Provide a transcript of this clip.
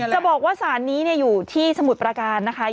จะบอกว่าสารนี้อยู่ที่สมุทรประการนะคะ